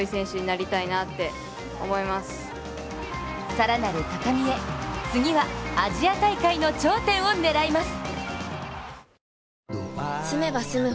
更なる高みへ、次はアジア大会の頂点を狙います！